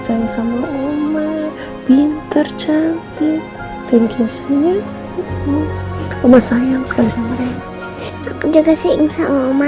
sayang sama oma pinter cantik tinggi semuanya mau sayang sekali sama aku juga sayang sama